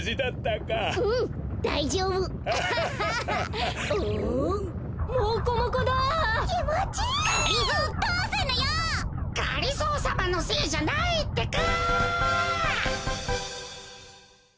がりぞーさまのせいじゃないってか！